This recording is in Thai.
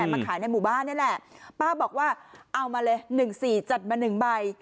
มาขายในหมู่บ้านนี่แหละป้าบอกว่าเอามาเลยหนึ่งสี่จัดมาหนึ่งใบ